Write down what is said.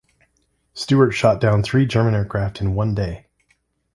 Stewart shot down three German aircraft in one day.